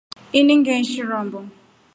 Ini ngeishi rombo.